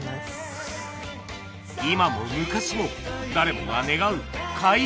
今も昔も誰もが願う「開運」